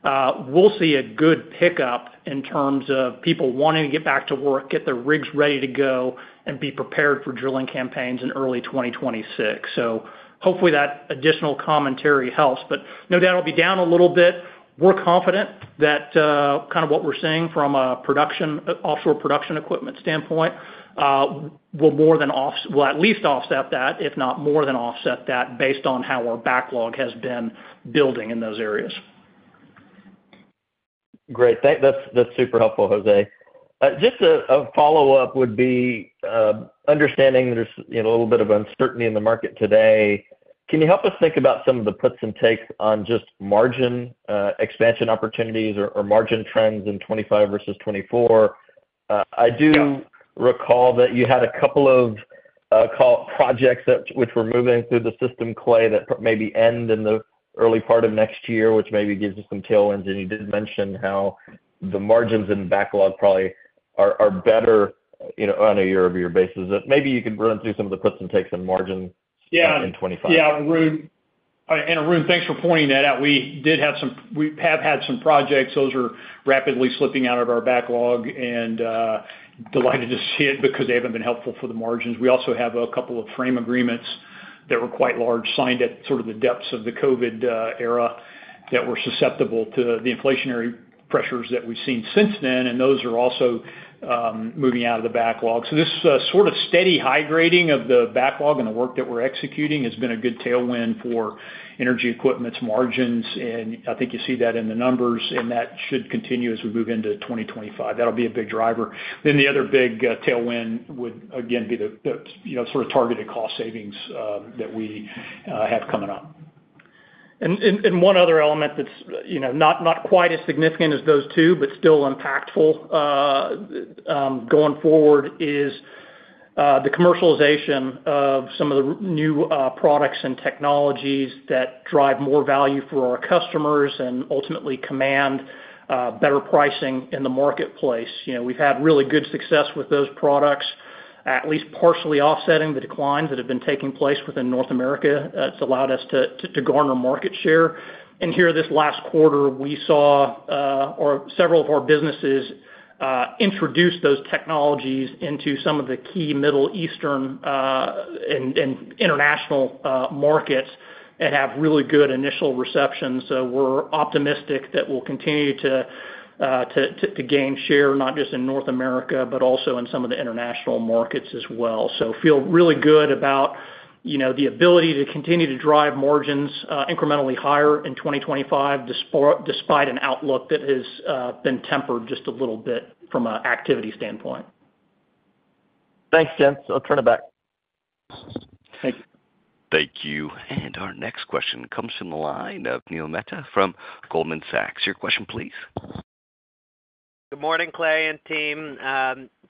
we'll see a good pickup in terms of people wanting to get back to work, get their rigs ready to go, and be prepared for drilling campaigns in early 2026. So hopefully, that additional commentary helps, but no doubt it'll be down a little bit. We're confident that, kind of what we're seeing from a production, offshore production equipment standpoint, will at least offset that, if not more than offset that, based on how our backlog has been building in those areas.... Great. Thanks. That's super helpful, Jose. Just a follow-up would be understanding there's you know a little bit of uncertainty in the market today. Can you help us think about some of the puts and takes on just margin expansion opportunities or margin trends in 2025 versus 2024? I do- Yeah recall that you had a couple of capital projects that which were moving through the system, Clay, that maybe end in the early part of next year, which maybe gives you some tailwinds. And you did mention how the margins in backlog probably are better, you know, on a year-over-year basis. Maybe you could run through some of the puts and takes in margins. Yeah -in '25. Yeah, Arun. And Arun, thanks for pointing that out. We did have some. We have had some projects. Those are rapidly slipping out of our backlog, and delighted to see it, because they haven't been helpful for the margins. We also have a couple of frame agreements that were quite large, signed at sort of the depths of the COVID era, that were susceptible to the inflationary pressures that we've seen since then, and those are also moving out of the backlog. So this sort of steady high grading of the backlog and the work that we're executing has been a good tailwind for Energy Equipment's margins, and I think you see that in the numbers, and that should continue as we move into 2025. That'll be a big driver. Then the other big tailwind would, again, be the you know sort of targeted cost savings that we have coming up. And one other element that's you know not quite as significant as those two, but still impactful going forward is the commercialization of some of the new products and technologies that drive more value for our customers and ultimately command better pricing in the marketplace. You know, we've had really good success with those products, at least partially offsetting the declines that have been taking place within North America. It's allowed us to garner market share. And here, this last quarter, we saw or several of our businesses introduce those technologies into some of the key Middle Eastern and international markets and have really good initial reception. So we're optimistic that we'll continue to gain share, not just in North America, but also in some of the international markets as well. So we feel really good about, you know, the ability to continue to drive margins incrementally higher in 2025, despite an outlook that has been tempered just a little bit from an activity standpoint. Thanks, Arun. I'll turn it back. Thanks. Thank you. And our next question comes from the line of Neil Mehta from Goldman Sachs. Your question, please. Good morning, Clay and team.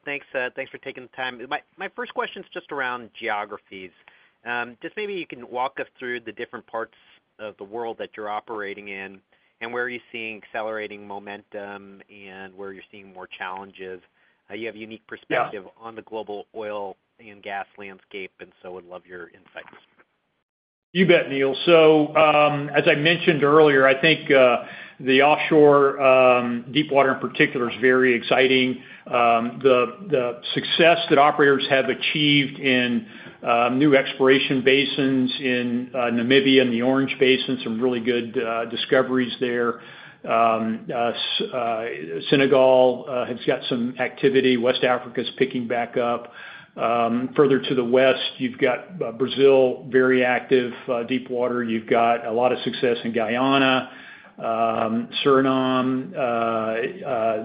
Thanks for taking the time. My first question is just around geographies. Just maybe you can walk us through the different parts of the world that you're operating in, and where are you seeing accelerating momentum and where you're seeing more challenges? You have a unique perspective- Yeah on the global oil and gas landscape, and so would love your insights. You bet, Neil. So, as I mentioned earlier, I think the offshore, deepwater in particular, is very exciting. The success that operators have achieved in new exploration basins in Namibia and the Orange Basin, some really good discoveries there. Senegal has got some activity. West Africa's picking back up. Further to the west, you've got Brazil, very active deepwater. You've got a lot of success in Guyana, Suriname,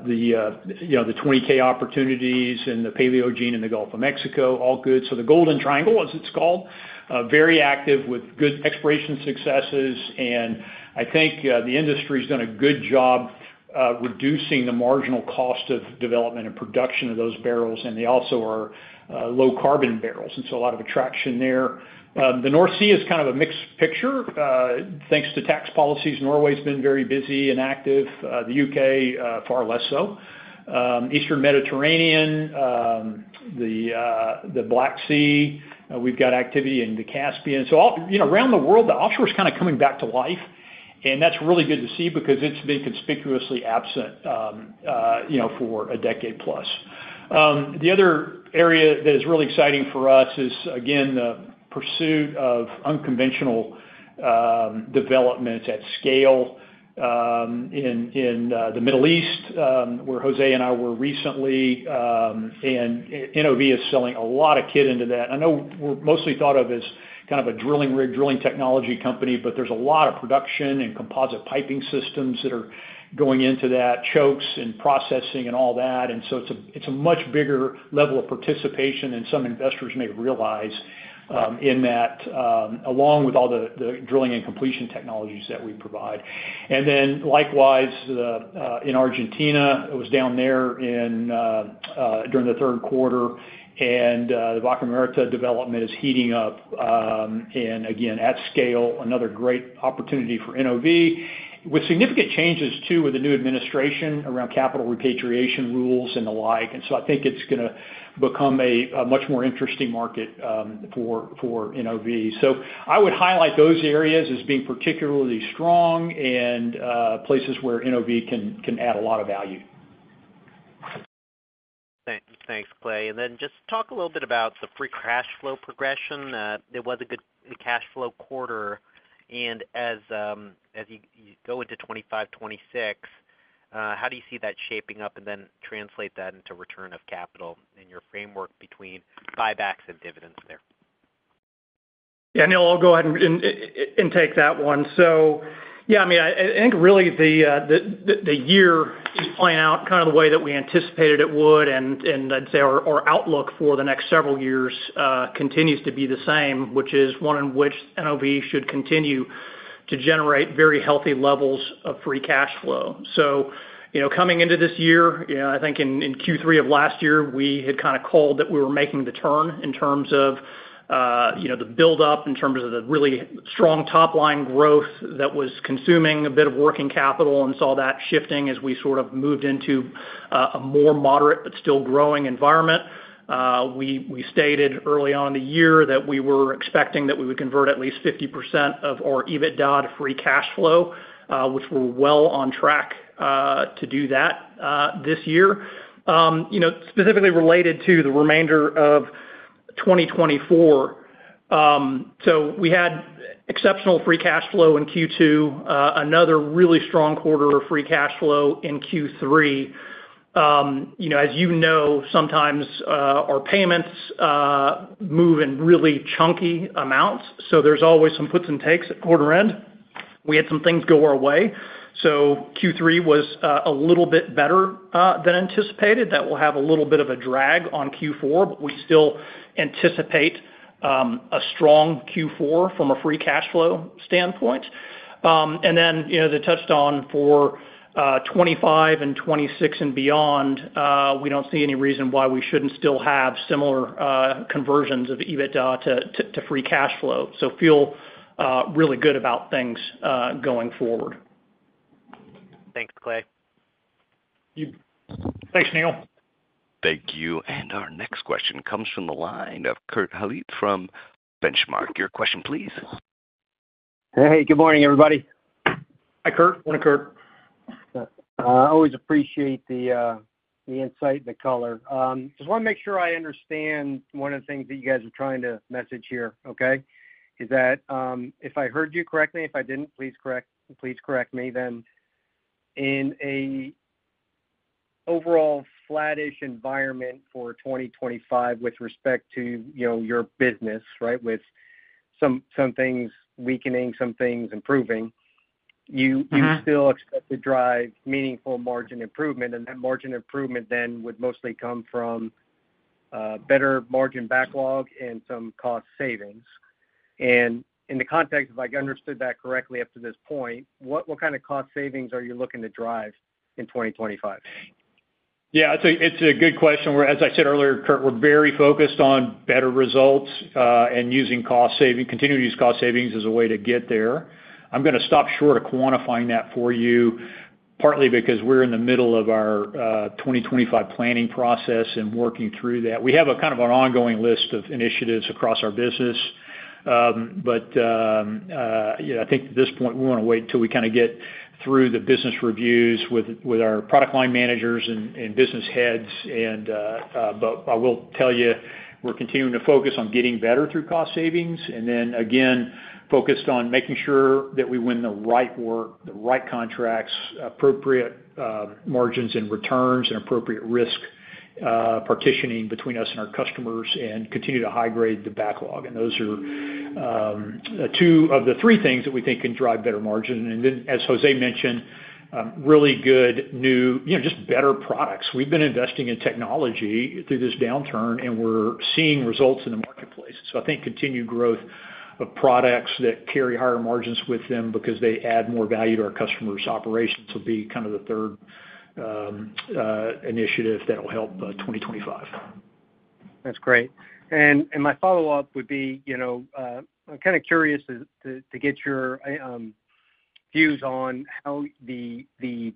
you know, the 20K opportunities and the Paleogene in the Gulf of Mexico, all good. So the Golden Triangle, as it's called, very active with good exploration successes. I think the industry's done a good job reducing the marginal cost of development and production of those barrels, and they also are low carbon barrels, and so a lot of attraction there. The North Sea is kind of a mixed picture. Thanks to tax policies, Norway's been very busy and active, the U.K. far less so. Eastern Mediterranean, the Black Sea, we've got activity in the Caspian. So all you know, around the world, the offshore is kind of coming back to life, and that's really good to see because it's been conspicuously absent, you know, for a decade plus. The other area that is really exciting for us is, again, the pursuit of unconventional developments at scale in the Middle East, where Jose and I were recently, and NOV is selling a lot of kit into that. I know we're mostly thought of as kind of a drilling rig, drilling technology company, but there's a lot of production and composite piping systems that are going into that, chokes and processing and all that. And so it's a much bigger level of participation, and some investors may realize in that, along with all the drilling and completion technologies that we provide. And then likewise in Argentina, I was down there during the third quarter, and the Vaca Muerta development is heating up, and again, at scale, another great opportunity for NOV. With significant changes, too, with the new administration around capital repatriation rules and the like, and so I think it's gonna become a much more interesting market for NOV, so I would highlight those areas as being particularly strong and places where NOV can add a lot of value. Thanks, Clay. And then just talk a little bit about the free cash flow progression. It was a good cash flow quarter, and as you go into 2025, 2026, how do you see that shaping up? And then translate that into return of capital in your framework between buybacks and dividends there.... Yeah, Neil, I'll go ahead and take that one. So yeah, I mean, I think really the year is playing out kind of the way that we anticipated it would, and I'd say our outlook for the next several years continues to be the same, which is one in which NOV should continue to generate very healthy levels of free cash flow. So, you know, coming into this year, you know, I think in Q3 of last year, we had kinda called that we were making the turn in terms of, you know, the buildup, in terms of the really strong top-line growth that was consuming a bit of working capital and saw that shifting as we sort of moved into a more moderate but still growing environment. We stated early on in the year that we were expecting that we would convert at least 50% of our EBITDA to free cash flow, which we're well on track to do that this year. You know, specifically related to the remainder of twenty twenty-four, so we had exceptional free cash flow in Q2, another really strong quarter of free cash flow in Q3. You know, as you know, sometimes our payments move in really chunky amounts, so there's always some puts and takes at quarter end. We had some things go our way, so Q3 was a little bit better than anticipated. That will have a little bit of a drag on Q4, but we still anticipate a strong Q4 from a free cash flow standpoint. And then, you know, the touchstone for 2025 and 2026 and beyond, we don't see any reason why we shouldn't still have similar conversions of EBITDA to free cash flow. So feel really good about things going forward. Thanks, Clay. Thanks, Neil. Thank you. And our next question comes from the line of Kurt Hallead from Benchmark. Your question, please. Hey, good morning, everybody. Hi, Kurt. Morning, Kurt. I always appreciate the insight and the color. Just wanna make sure I understand one of the things that you guys are trying to message here, okay? Is that, if I heard you correctly, if I didn't, please correct me then. In a overall flattish environment for 2025, with respect to, you know, your business, right, with some things weakening, some things improving- Mm-hmm. You still expect to drive meaningful margin improvement, and that margin improvement then would mostly come from better margin backlog and some cost savings. And in the context, if I understood that correctly up to this point, what kind of cost savings are you looking to drive in 2025? Yeah, it's a good question. As I said earlier, Kurt, we're very focused on better results and continuing to use cost savings as a way to get there. I'm gonna stop short of quantifying that for you, partly because we're in the middle of our 2025 planning process and working through that. We have a kind of an ongoing list of initiatives across our business. But you know, I think at this point, we wanna wait until we get through the business reviews with our product line managers and business heads. But I will tell you, we're continuing to focus on getting better through cost savings, and then again, focused on making sure that we win the right work, the right contracts, appropriate margins and returns, and appropriate risk partitioning between us and our customers, and continue to high-grade the backlog. Those are two of the three things that we think can drive better margin. Then, as Jose mentioned, really good new. You know, just better products. We've been investing in technology through this downturn, and we're seeing results in the marketplace. I think continued growth of products that carry higher margins with them because they add more value to our customers' operations will be kind of the third initiative that will help 2025. That's great. My follow-up would be, you know, I'm kinda curious to get your views on how the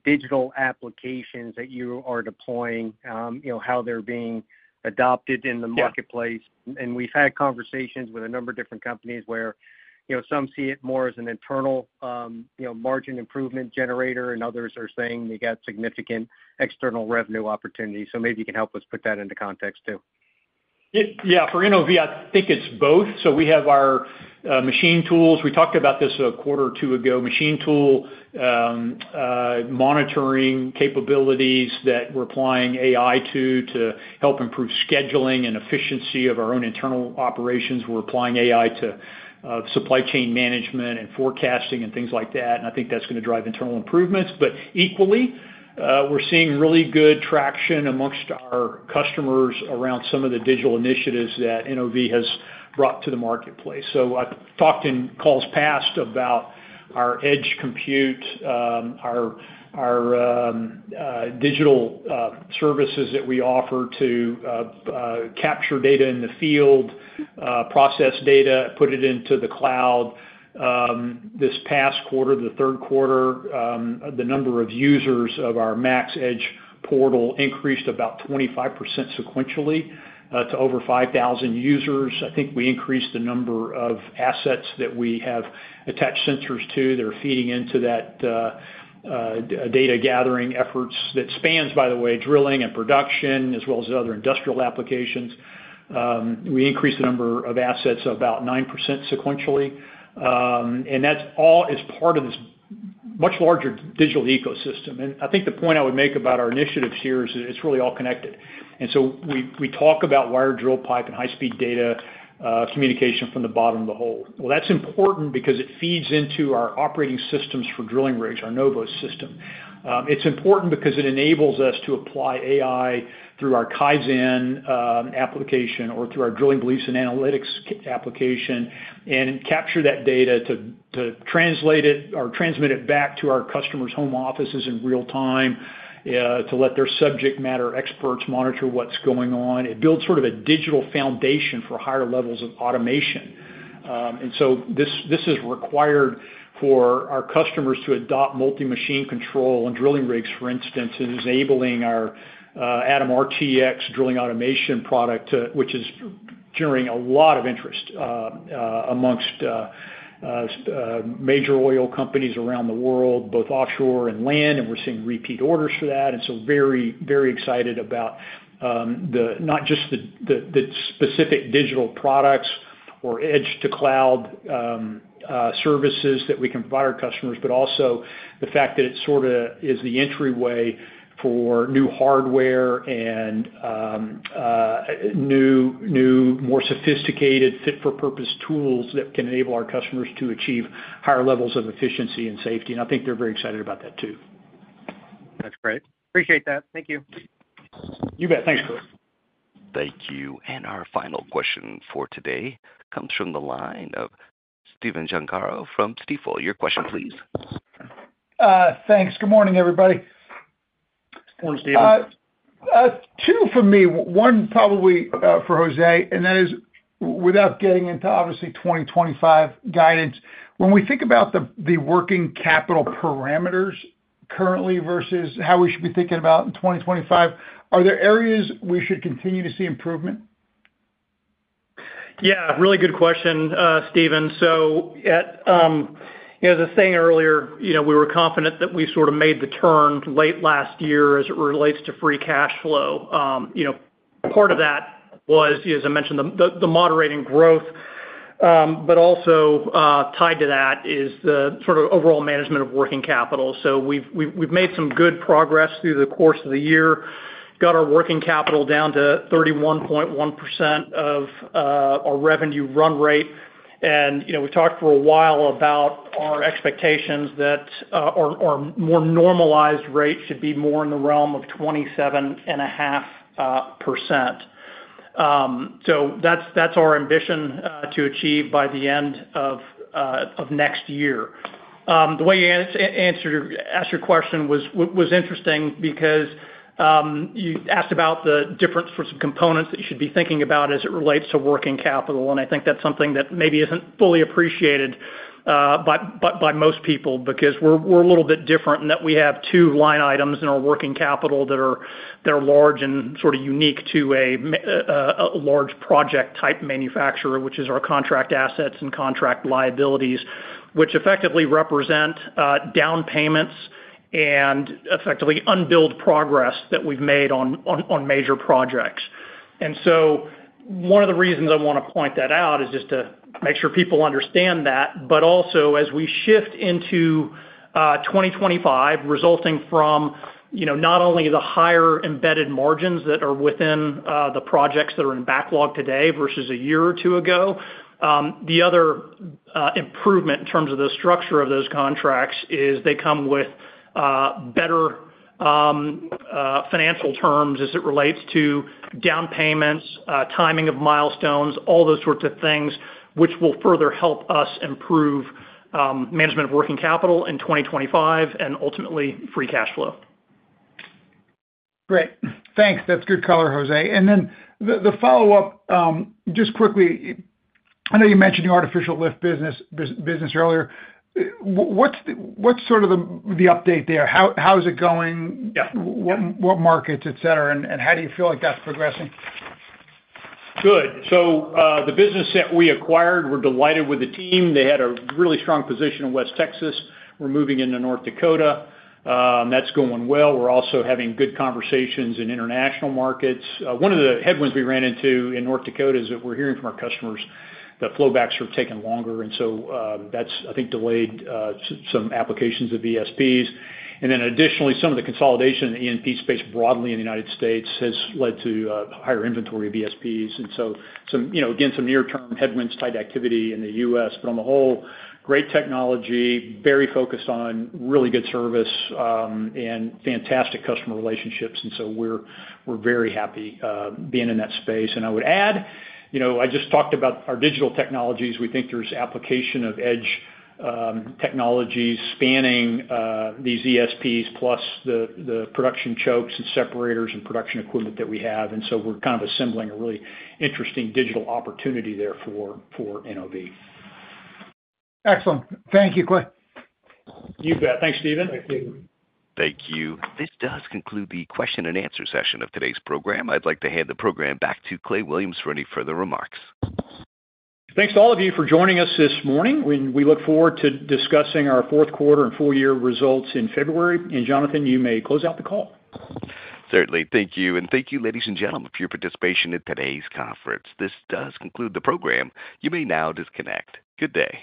digital applications that you are deploying, you know, how they're being adopted in the- Yeah - marketplace. And we've had conversations with a number of different companies where, you know, some see it more as an internal, you know, margin improvement generator, and others are saying they got significant external revenue opportunities. So maybe you can help us put that into context, too. Yeah, for NOV, I think it's both. So we have our machine tools. We talked about this a quarter or two ago. Machine tool monitoring capabilities that we're applying AI to, to help improve scheduling and efficiency of our own internal operations. We're applying AI to supply chain management and forecasting and things like that, and I think that's gonna drive internal improvements. But equally, we're seeing really good traction amongst our customers around some of the digital initiatives that NOV has brought to the marketplace. So I've talked in calls past about our edge compute, our digital services that we offer to capture data in the field, process data, put it into the cloud. This past quarter, the third quarter, the number of users of our MaxEdge portal increased about 25% sequentially, to over 5,000 users. I think we increased the number of assets that we have attached sensors to that are feeding into that, data gathering efforts, that spans, by the way, drilling and production, as well as other industrial applications. We increased the number of assets about 9% sequentially. And that's all as part of this much larger digital ecosystem. And I think the point I would make about our initiatives here is it's really all connected. And so we talk about wired drill pipe and high-speed data, communication from the bottom of the hole. Well, that's important because it feeds into our operating systems for drilling rigs, our NOVOS system. It's important because it enables us to apply AI through our Kaizen application or through our Drilling Performance and analytics application, and capture that data to translate it or transmit it back to our customers' home offices in real time, to let their subject matter experts monitor what's going on. It builds sort of a digital foundation for higher levels of automation. And so this is required for our customers to adopt multi-machine control and drilling rigs, for instance, is enabling our ATOM RTX drilling automation product to which is generating a lot of interest amongst major oil companies around the world, both offshore and land, and we're seeing repeat orders for that. And so very excited about not just the specific digital products or edge-to-cloud services that we can provide our customers, but also the fact that it sorta is the entryway for new hardware and new, more sophisticated, fit-for-purpose tools that can enable our customers to achieve higher levels of efficiency and safety. I think they're very excited about that, too. That's great. Appreciate that. Thank you. You bet. Thanks, Kurt. Thank you. And our final question for today comes from the line of Stephen Gengaro from Stifel. Your question, please. Thanks. Good morning, everybody. Morning, Steven. Two for me, one probably for Jose, and that is, without getting into, obviously, twenty twenty-five guidance, when we think about the working capital parameters currently versus how we should be thinking about in twenty twenty-five, are there areas we should continue to see improvement? Yeah, really good question, Steven. So at, you know, as I was saying earlier, you know, we were confident that we sort of made the turn late last year as it relates to free cash flow. You know, part of that was, as I mentioned, the moderating growth, but also, tied to that is the sort of overall management of working capital. So we've made some good progress through the course of the year, got our working capital down to 31.1% of our revenue run rate. And, you know, we talked for a while about our expectations that, more normalized rate should be more in the realm of 27.5%. So that's our ambition to achieve by the end of next year. The way you asked your question was interesting because you asked about the different sorts of components that you should be thinking about as it relates to working capital. And I think that's something that maybe isn't fully appreciated by most people, because we're a little bit different in that we have two line items in our working capital that are large and sort of unique to a large project type manufacturer, which is our contract assets and contract liabilities. Which effectively represent down payments and effectively unbilled progress that we've made on major projects. And so one of the reasons I wanna point that out is just to make sure people understand that, but also, as we shift into 2025, resulting from, you know, not only the higher embedded margins that are within the projects that are in backlog today versus a year or two ago, the other improvement in terms of the structure of those contracts is they come with better financial terms as it relates to down payments, timing of milestones, all those sorts of things, which will further help us improve management of working capital in 2025 and ultimately, free cash flow. Great. Thanks. That's good color, Jose. And then the follow-up, just quickly. I know you mentioned the artificial lift business earlier. What's the update there? How is it going? Yeah. What markets, et cetera, and how do you feel like that's progressing? Good. So, the business that we acquired, we're delighted with the team. They had a really strong position in West Texas. We're moving into North Dakota. That's going well. We're also having good conversations in international markets. One of the headwinds we ran into in North Dakota is that we're hearing from our customers that flowbacks are taking longer, and so, that's, I think, delayed some applications of ESPs. And then additionally, some of the consolidation in the E&P space broadly in the United States has led to higher inventory of ESPs. And so some... You know, again, some near-term headwinds, tight activity in the US, but on the whole, great technology, very focused on really good service, and fantastic customer relationships, and so we're, we're very happy being in that space. I would add, you know, I just talked about our digital technologies. We think there's application of edge technologies spanning these ESPs plus the production chokes and separators and production equipment that we have, and so we're kind of assembling a really interesting digital opportunity there for NOV. Excellent. Thank you, Clay. You bet. Thanks, Stephen. Thanks, Steven. Thank you. This does conclude the question and answer session of today's program. I'd like to hand the program back to Clay Williams for any further remarks. Thanks to all of you for joining us this morning. We look forward to discussing our fourth quarter and full year results in February. And Jonathan, you may close out the call. Certainly. Thank you, and thank you, ladies and gentlemen, for your participation in today's conference. This does conclude the program. You may now disconnect. Good day.